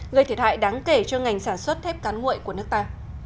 gây thiệt hại đáng kể cho ngành sản xuất thép cán nguội của nước ta